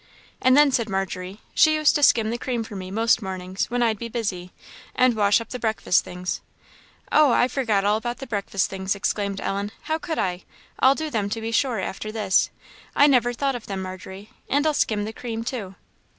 "And then," said Margery, "she used to skim the cream for me, most mornings, when I'd be busy; and wash up the breakfast things " "Oh, I forgot all about the breakfast things!" exclaimed Ellen "how could I! I'll do them to be sure, after this. I never thought of them, Margery. And I'll skim the cream too."